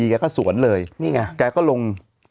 ใกล้ข้าสวนเลยนี่ค่ะแกก็ลง